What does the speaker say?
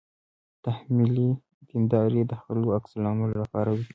تحمیلي دینداري د خلکو عکس العمل راپاروي.